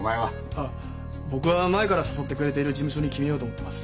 あっ僕は前から誘ってくれている事務所に決めようと思ってます。